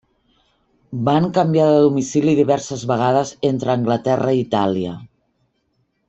Van canviar de domicili diverses vegades entre Anglaterra i Itàlia.